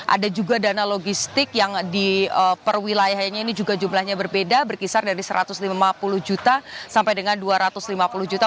ada juga dana logistik yang di perwilayahnya ini juga jumlahnya berbeda berkisar dari satu ratus lima puluh juta sampai dengan dua ratus lima puluh juta